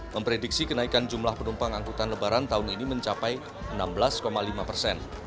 memprediksi kenaikan jumlah penumpang angkutan lebaran tahun ini mencapai enam belas lima persen